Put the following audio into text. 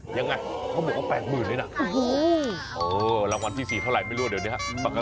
ยังไงเขาบอกเอาแปลกหมื่นเลยนะโอ้โหรางวัลที่๔เท่าไหร่ไม่รู้เดี๋ยวนะครับ